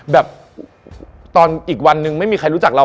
แบบตอนอีกวันนึงไม่มีใครรู้จักเรา